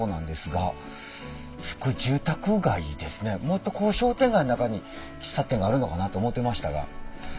もっと商店街の中に喫茶店があるのかなと思ってましたが。